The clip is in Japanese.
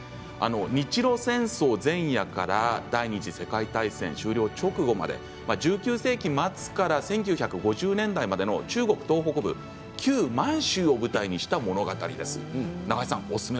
日露戦争前夜から第２次世界大戦終了直後まで１９世紀末から１９５０年代までの中国東北部旧満州を舞台にした物語です。